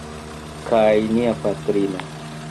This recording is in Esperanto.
Kaj nia patrino!